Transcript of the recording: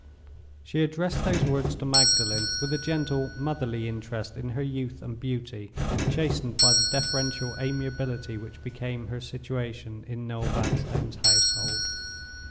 She addressed those words to Magdalen with a gentle motherly interest in her youth and beauty, chastened by the deferential amiability which became her situation in Noel Vanstone's household.